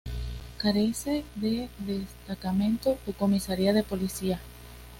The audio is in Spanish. Carece de destacamento o comisaría de policía.